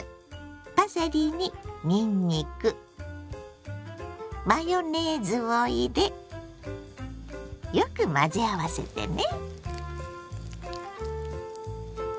パセリににんにくマヨネーズを入れよく混ぜ合わせてね。